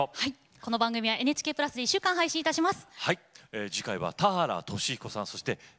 この番組はＮＨＫプラスで１週間配信いたします。